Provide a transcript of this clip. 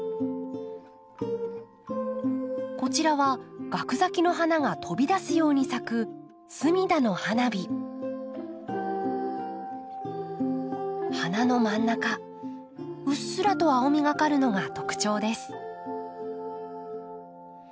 こちらはガク咲きの花が飛び出すように咲く花の真ん中うっすらと青みがかるのが特徴です。